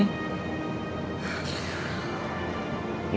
di saat gue tersungkur kayak gini